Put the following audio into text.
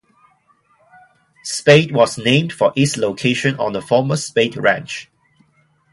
Spade was named for its location on the former Spade Ranch.